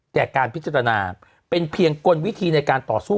แต่การพิจารณาเป็นเพียงกลวิธีในการต่อสู้